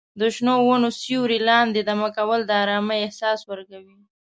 د شنو ونو سیوري لاندې دمه کول د ارامۍ احساس ورکوي.